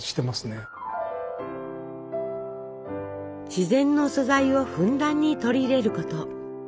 自然の素材をふんだんに取り入れること。